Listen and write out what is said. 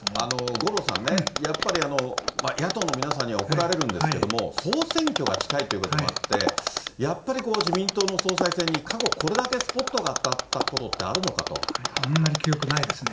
五郎さんね、やっぱり野党の皆さんには怒られるんですけれども、総選挙が近いということもあって、やっぱり、こう自民党の総裁選に過去これだけスポットが当たったことってああんまり記憶ないですね。